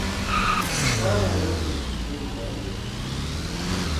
Mama notedo chiemo mamit